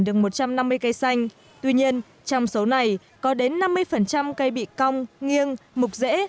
được một trăm năm mươi cây xanh tuy nhiên trong số này có đến năm mươi cây bị cong nghiêng mục dễ